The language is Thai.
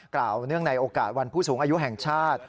เนื่องในโอกาสวันผู้สูงอายุแห่งชาติ